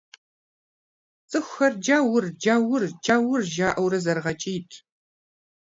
Цӏыхухэр «Джаур! Джаур! Джаур!» - жаӀэурэ зэрыгъэкӀийрт.